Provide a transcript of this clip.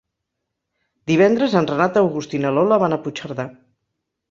Divendres en Renat August i na Lola van a Puigcerdà.